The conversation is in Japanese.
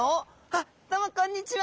あっどうもこんにちは。